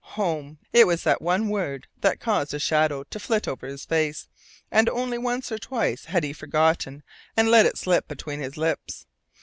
Home! It was that one word that caused a shadow to flit over his face, and only once or twice had he forgotten and let it slip between his lips.